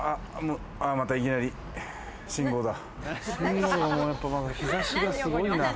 いきなり信号だ。